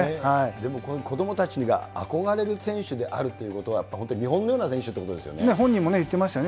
でも、子どもたちが憧れる選手であるということは、やっぱり本当に、見本のような選手という本人も言ってましたよね。